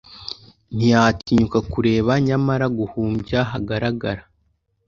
ntiyatinyuka kureba; nyamara, guhumbya, haragaragara